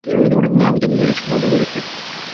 আমি তো এসবে কট্টোর বিশ্বাসী।